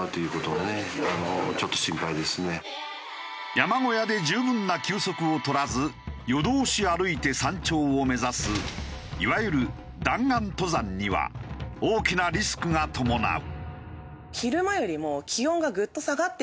山小屋で十分な休息を取らず夜通し歩いて山頂を目指すいわゆる弾丸登山には大きなリスクが伴う。